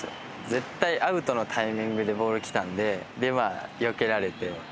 絶対アウトのタイミングでボールきたんででまあよけられて。